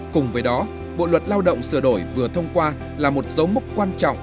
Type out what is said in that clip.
cùng với đó bộ luật lao động sửa đổi vừa thông qua là một dấu mốc quan trọng